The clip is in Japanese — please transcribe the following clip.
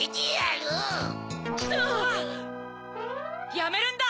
やめるんだ！